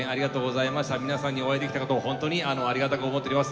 皆さんにお会いできたことを本当にありがたく思っております。